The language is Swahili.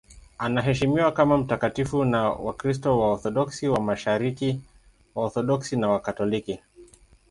Anaheshimiwa kama mtakatifu na Wakristo Waorthodoksi wa Mashariki, Waorthodoksi na Wakatoliki.